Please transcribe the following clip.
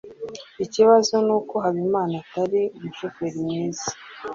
Ikibazo nuko Habimana atari umushoferi mwiza.